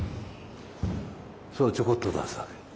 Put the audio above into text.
そうちょこっと出すだけ。